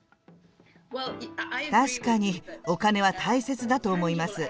確かにお金は大切だと思います。